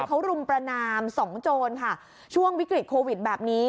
เขารุมประนามสองโจรค่ะช่วงวิกฤตโควิดแบบนี้